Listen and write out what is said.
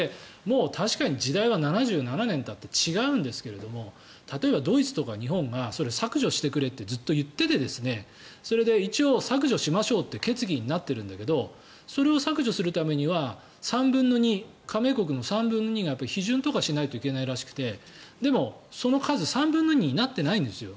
確かに、時代は７７年たって違うんですけれども例えば、ドイツとか日本がそれを削除してくれってずっと言っててそれで一応削除しましょうという決議になっているんだけどそれを削除するためには加盟国の３分の２が批准とかしないといけないらしくてでも、その数３分の２になってないんですよ。